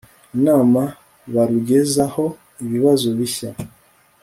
inama barugezaho ibibazo bishya